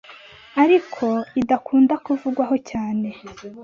ariko idakunda kuvugwaho cyane,